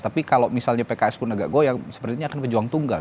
tapi kalau misalnya pks pun agak goyang seperti ini akan pejuang tunggal